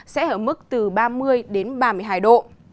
sẽ ở mức từ ba mươi đến ba mươi hai độ